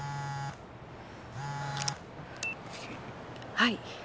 はい。